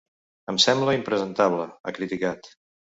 “Em sembla impresentable”, ha criticat.